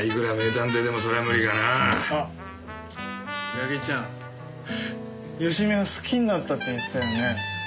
矢木ちゃん佳美を好きになったって言ってたよねえ？